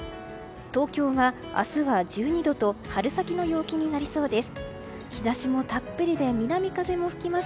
東京は明日は１２度と春先の陽気になりそうです。